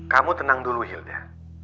kamu tenang dulu hilda